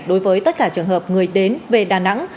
đối với tất cả trường hợp người đến về đà nẵng